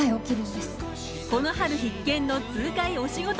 この春必見の痛快お仕事